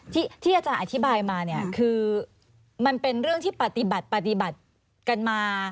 ที่อาจารย์อธิบายมาเนี่ยคือมันเป็นเรื่องที่ปฏิบัติปฏิบัติกันมา